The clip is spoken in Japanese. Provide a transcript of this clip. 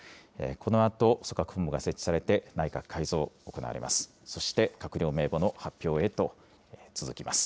このあと、組閣本部が設置されて、内閣改造、行われます。